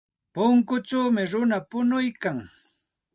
Punkuchawmi runa punuykan.